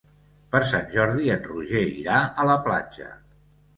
Per Sant Jordi en Roger irà a la platja.